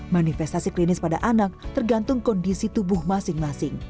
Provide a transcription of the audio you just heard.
manifestasi klinis pada anak tergantung kondisi tubuh masing masing